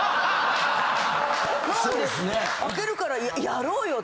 空けるからやろうよ」